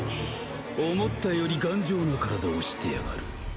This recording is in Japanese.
思ったより頑丈な体をしてやがる。